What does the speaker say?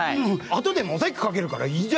後でモザイクかけるからいいんじゃね？